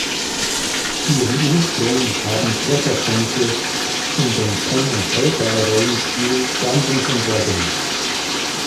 Ihren Ursprung haben Trefferpunkte in dem Pen-&-Paper-Rollenspiel "Dungeons and Dragons".